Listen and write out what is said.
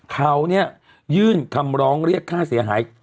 เขาเนี่ยยื่นคำร้องเรียกค่าเสียหาย